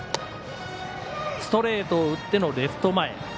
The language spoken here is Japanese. ストレートを打ってのレフト前。